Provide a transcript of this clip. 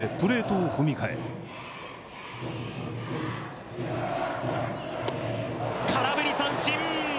右へ左へプレートを踏みかえ空振り三振！